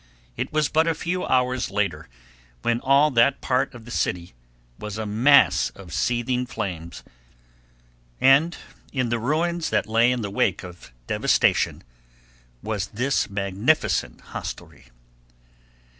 It was but a few hours later when all that part of the city was a mass of seething flames, and in the ruins that lay in the wake of devastation was this magnificent hostelry.